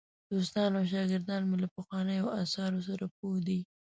دوستان او شاګردان مې له پخوانیو آثارو سره پوه دي.